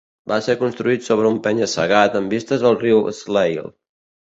Va ser construït sobre un penya-segat amb vistes al riu Swale.